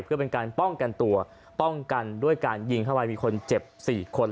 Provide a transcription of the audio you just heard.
เพื่อเป็นการป้องกันตัวป้องกันด้วยการยิงเข้าไปมีคนเจ็บ๔คน